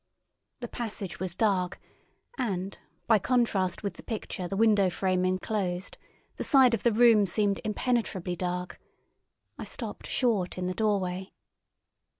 The passage was dark, and, by contrast with the picture the window frame enclosed, the side of the room seemed impenetrably dark. I stopped short in the doorway.